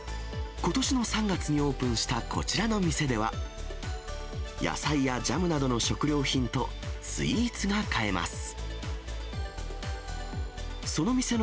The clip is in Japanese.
ことしの３月にオープンしたこちらの店では、野菜やジャムなどの食料品とスイーツが買えます。